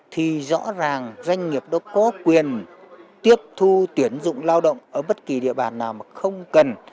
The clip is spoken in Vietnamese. thì rõ ràng doanh nghiệp đó có quyền tiếp thu tuyển dụng lao động ở bất kỳ địa bàn nào mà không cần